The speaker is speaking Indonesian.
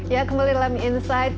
ya kembali dalam insight